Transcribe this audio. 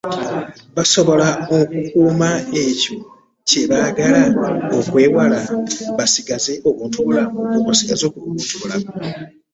Basobola okukuuma ekyo kye baagala okwewala, basigaze obuntubulamu.